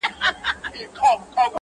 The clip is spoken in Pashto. داده ميني ښار وچاته څه وركوي؛